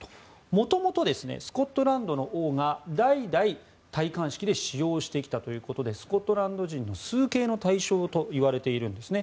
もともとスコットランドの王が代々、戴冠式で使用してきたということでスコットランド人の崇敬の対象といわれているんですね。